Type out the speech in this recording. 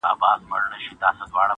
حقیقت واوره تر تا دي سم قربانه.